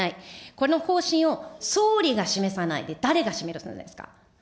この方針を総理が示さないで誰が示すんですか。